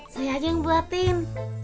saya aja yang buatin